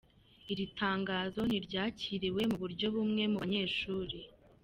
Iri tangazo ntiryakiriwe mu buryo bumwe mu banyeshuri.